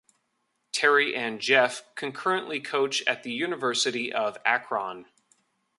Terry and Jeff currently coach at the University of Akron.